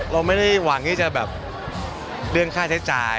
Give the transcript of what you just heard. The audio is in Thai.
เราไม่ได้หวังที่จะแบบเรื่องค่าใช้จ่าย